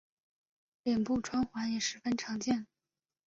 脸部穿环也十分常见。